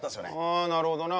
ああなるほどな